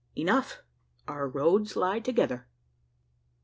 "Enough! Our roads lie together!"